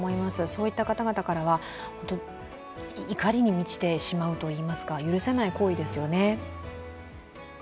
そういった方々からは怒りに満ちてしまうといいますか許せない行為ですよね。